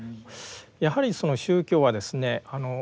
やはり宗教はですね